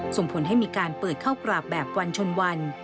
ส่งผลให้มีการเปิดเข้ากราบแบบวันชนวัน